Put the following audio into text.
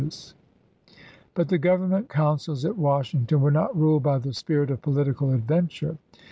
ms. But the Government councils at Washington were not ruled by the spirit of political adven ture.